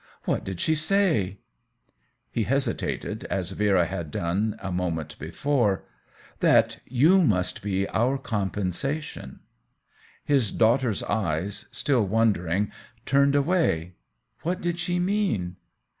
" What did she say ?" He hesitated, as Vera had done a mo ment before. " That you must be our com pensation." His daughter's eyes, still wondering, turn ed away. " What did she mean